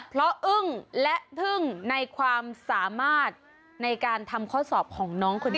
เพราะอึ้งและทึ่งในความสามารถในการทำข้อสอบของน้องคนนี้